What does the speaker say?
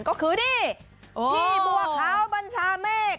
ก็คือนี่พี่บัวขาวบัญชาเมฆ